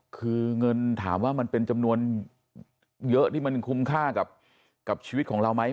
คือเงินถามว่ามันเป็นจำนวนเยอะที่มันคุ้มค่ากับชีวิตของเราไหม